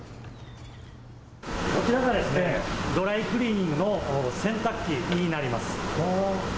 こちらがドライクリーニングの洗濯機になります。